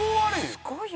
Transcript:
「すごいよ！」